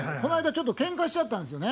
ちょっとけんかしちゃったんですよね。